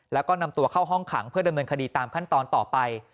แล้วก็นำตัวเข้าห้องขังเพื่อดำเนินคดีตามขั้นตอนต่อไป